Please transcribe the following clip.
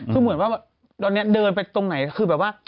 คือเหมือนว่าตอนนี้เดินไปตรงไหนคือแบบว่า